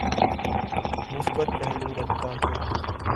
مثبت پہلو رکھتا ہے۔